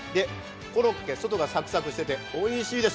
コロッケ、外がサクサクしてておいしいです。